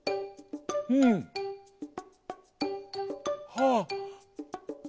はあ。